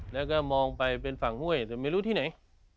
แล้วก็มองไปเป็นฝั่งห้วยแต่ไม่รู้ที่ไหน